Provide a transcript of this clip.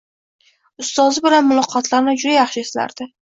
Ustozi bilan muloqotlarini juda yaxshi eslardi